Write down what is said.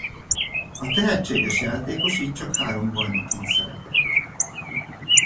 A tehetséges játékos így csak három bajnokin szerepelt.